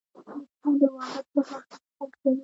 نیکه د واده پر وخت نصیحت کوي.